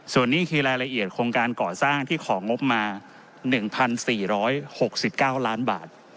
ส่วนนี้คือรายละเอียดโครงการก่อสร้างที่ของงบมาหนึ่งพันสี่ร้อยหกสิบเก้าล้านบาท